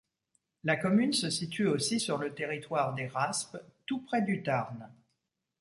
La commune se situe aussi sur le territoire des Raspes, tout près du Tarn.